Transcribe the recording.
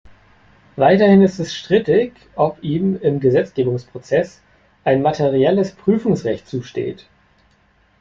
Weiterhin ist es strittig, ob ihm im Gesetzgebungsprozess ein materielles Prüfungsrecht zusteht.